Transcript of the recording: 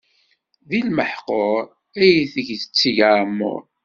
Di lmeḥqur ay deg tetteg aɛemmuṛ.